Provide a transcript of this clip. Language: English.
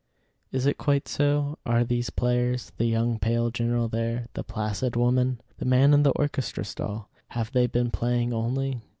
Is it quite so? Are these players? The young pale general there, the placid woman, the man in the orchestra stall, have they been playing only?